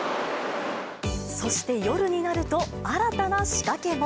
そして夜になると、新たな仕掛けも。